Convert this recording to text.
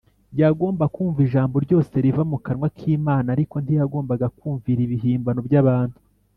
Yagombaga kumva ijambo ryose riva mu kanwa k’Imana; ariko ntiyagombaga kumvira ibihimbano by’abantu.